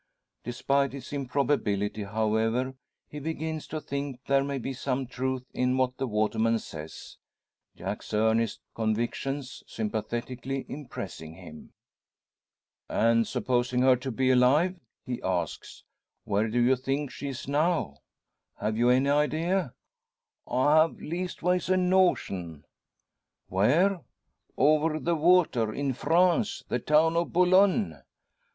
Despite its improbability, however, he begins to think there may be some truth in what the waterman says Jack's earnest convictions sympathetically impressing him. "And supposing her to be alive," he asks, "where do you think she is now? Have you any idea?" "I have leastways a notion." "Where?" "Over the water in France the town o' Bolone."